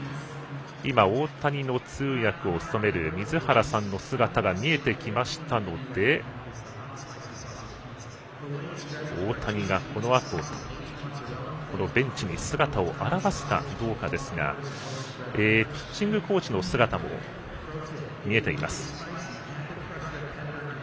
大谷の通訳を務める水原さんの姿が見えてきましたので大谷が、このあとベンチに姿を現すかどうかですがピッチングコーチの姿も見えています。